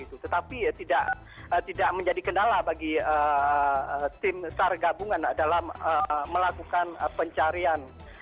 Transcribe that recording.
tetapi tidak menjadi kendala bagi tim sar gabungan dalam melakukan pencarian